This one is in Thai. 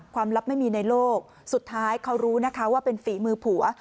ลับไม่มีในโลกสุดท้ายเขารู้นะคะว่าเป็นฝีมือผัว